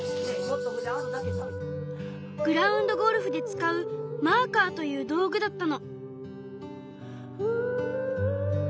グラウンドゴルフで使うマーカーという道具だったの。